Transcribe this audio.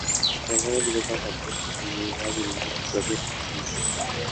Integró diversas orquestas y llegó a dirigir su propio conjunto.